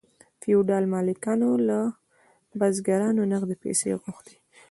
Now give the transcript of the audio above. فیوډال مالکانو له بزګرانو نغدې پیسې غوښتلې.